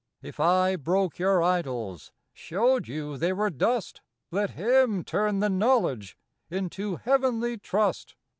If I broke your Idols, Showed you they were dust, Let him turn the Knowledge Into heavenly Trust.